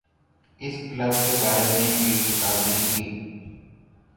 اس club کے بارے میں ایک کتاب لکھی